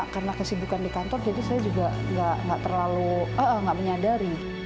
karena kesibukan di kantor jadi saya juga nggak terlalu nggak menyadari